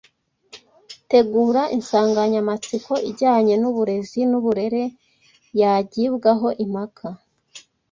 Tegura insanganyamatsiko ijyanye n’uburezi n’uburere yagibwaho impaka